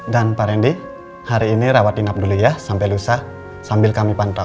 dan pak randy hari ini rawat dinap dulu ya sampai lusa sambil kami pantau